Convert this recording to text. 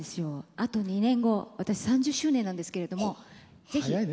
あと２年後私３０周年なんですけれども。